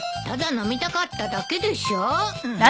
ただ飲みたかっただけでしょ？